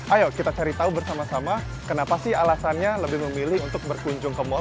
ayo kita cari tahu bersama sama kenapa sih alasannya lebih memilih untuk berkunjung ke mall